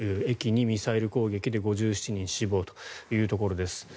駅にミサイル攻撃で５７人が死亡というところです。